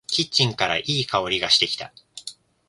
キッチンからいい香りがしてきた。